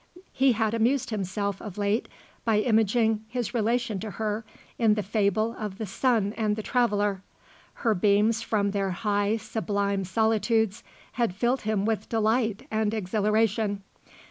He had amused himself, of late, by imaging his relation to her in the fable of the sun and the traveller. Her beams from their high, sublime solitudes had filled him with delight and exhilaration.